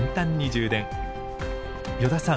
依田さん